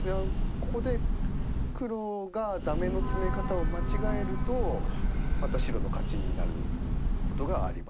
ここで黒がダメの詰め方を間違えるとまた白の勝ちになることがあります。